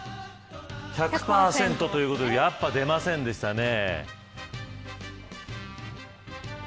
１００％ということでやっぱ出ませんでしたね。